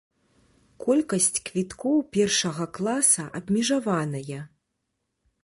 Колькасць квіткоў першага класа абмежаваная!